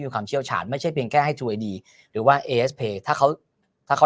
มีความเชี่ยวฉาญไม่ใช่เพียงแก้ให้ดีหรือว่าเอสเพย์ถ้าเขา